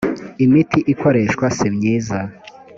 imiti ikoreshwa nsimyiza